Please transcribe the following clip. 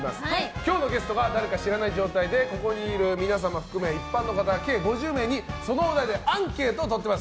今日のゲストが誰か知らない状態でここにいる皆様含め一般の方、計５０名にそのお題でアンケートを取っています。